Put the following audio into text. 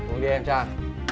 uống đi em trai